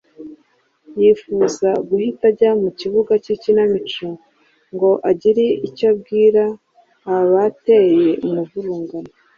yifuza guhita ajya mu kibuga cy’ikinamico ngo agire icyo abwira abateye umuvurungano.